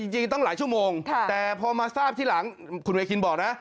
จริงตั้งหลายชั่วโมงแต่พอมาทราบที่หลังคุณเวคินบอกนะ